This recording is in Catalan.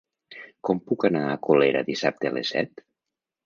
Com puc anar a Colera dissabte a les set?